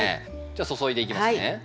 じゃあ注いでいきますね。